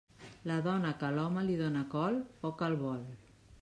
La dona que a l'home li dóna col, poc el vol.